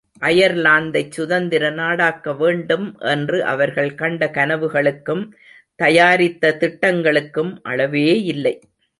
அயர்லாந்தைச் சுதந்திர நாடாக்கவேண்டும் என்று அவர்கள் கண்ட கனவுகளுக்கும் தயாரித்த திட்டங்களுக்கும் அளவேயில்லை.